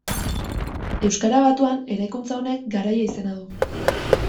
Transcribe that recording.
Euskara batuan eraikuntza honek garaia izena du.